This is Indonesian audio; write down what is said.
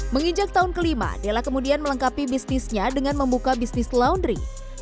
menginjak tahun kelima della kemudian melengkapi bisnisnya dengan membuka bisnis laundry